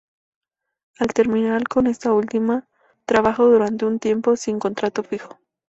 Al terminar con esta última, trabaja durante un tiempo sin contrato fijo.